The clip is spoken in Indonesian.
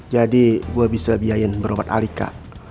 jadi gue bisa biayain berobat alika